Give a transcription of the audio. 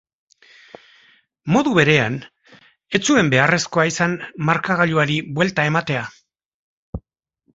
Modu berean, ez zuen beharrezkoa izan markagailuari buelta ematea.